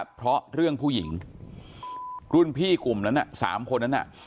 เพราะเรื่องผู้หญิงรุ่นพี่กลุ่มนั้นสามคนนั้นน่ะ